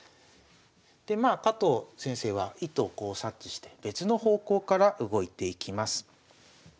でまあ加藤先生は意図をこう察知して別の方向から動いていきます。